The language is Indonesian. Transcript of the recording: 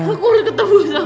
aku harus ketemu sama papa aku